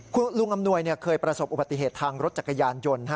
คุณลุงอำนวยเคยประสบอุบัติเหตุทางรถจักรยานยนต์